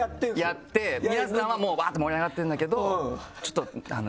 やって皆さんはもうワって盛り上がってるんだけどちょっとあの。